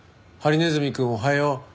「ハリネズミ君おはよっ」